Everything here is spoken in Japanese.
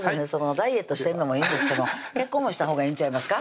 ダイエットしてるのもいいんですけど結婚もしたほうがいいんちゃいますか？